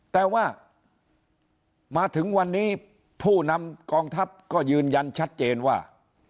แต่ว่ามาถึงวันนี้ผู้นำกองทัพก็ยืนยันชัดเจนว่า